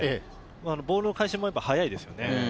ボールの返しも速いですよね。